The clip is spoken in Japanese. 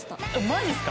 マジですか？